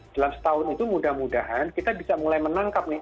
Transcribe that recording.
dalam setahun itu mudah mudahan kita bisa mulai menangkap nih